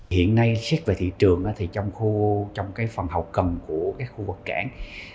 hiện nay xét về thị trường trong phần hậu cần của khu vực cảng